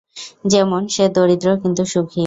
যেমন- সে দরিদ্র, কিন্তু সুখী।